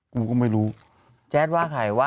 กูก็ไม่รู้แจ๊ดว่าใครวะ